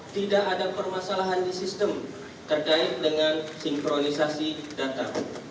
tidak ada permasalahan di sistem terkait dengan sinkronisasi data